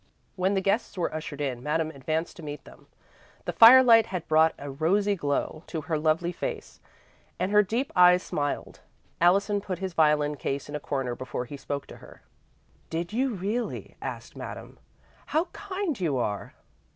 When the guests were ushered in, Madame advanced to meet them. The firelight had brought a rosy glow to her lovely face, and her deep eyes smiled. Allison put his violin case in a corner before he spoke to her. "Did you really?" asked Madame. "How kind you are!"